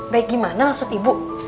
baik gimana maksud ibu